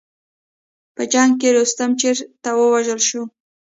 په جنګ کې رستم چېرته ووژل شو.